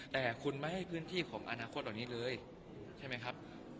แต่คุณไม่ให้พื้นที่ของอนาคตเหล่านี้เลยใช่ไหมครับ